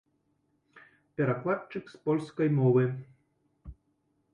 Перакладчык з польскай мовы.